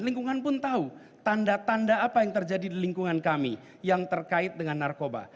lingkungan pun tahu tanda tanda apa yang terjadi di lingkungan kami yang terkait dengan narkoba